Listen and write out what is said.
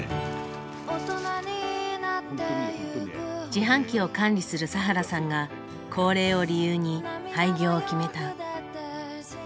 自販機を管理する佐原さんが高齢を理由に廃業を決めた。